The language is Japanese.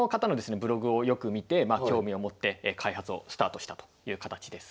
ブログをよく見て興味を持って開発をスタートしたという形です。